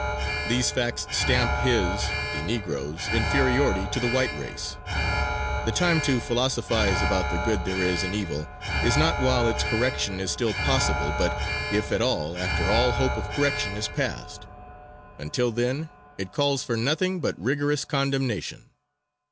_ These facts stamp his (the Negro's) inferiority to the white race." The time to philosophize about the good there is in evil, is not while its correction is still possible, but, if at all, after all hope of correction is past. Until then it calls for nothing but rigorous condemnation.